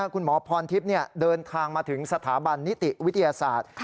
คุณหมอพรทิพย์เดินทางมาถึงสถาบันนิติวิทยาศาสตร์